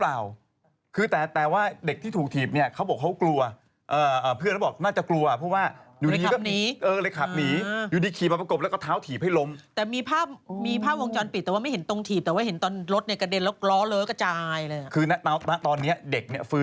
และเด็กที่สำคัญเด็กคนนี้เป็นโรคไตด้วย